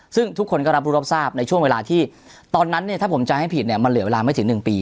ซึ่งทุกคนก็รับรู้รับทราบในช่วงเวลาที่ตอนนั้นเนี่ยถ้าผมจะให้ผิดเนี่ยมันเหลือเวลาไม่ถึง๑ปี